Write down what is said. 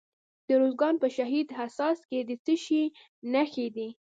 د ارزګان په شهید حساس کې د څه شي نښې دي؟